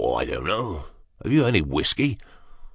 " Oh, I don't know have you any whiskey